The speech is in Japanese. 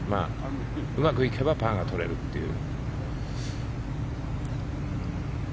うまくいけばパーが取れるという。